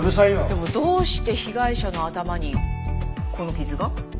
でもどうして被害者の頭にこの傷が？